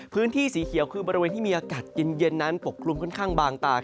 พื้นที่สีเขียวคือบริเวณที่มีอากาศเย็นนั้นปกคลุมค่อนข้างบางตา